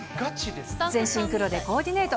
全身黒でコーディネート。